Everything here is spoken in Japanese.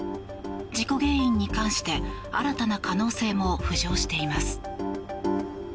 事故原因に関して新たな可能性も浮上しています。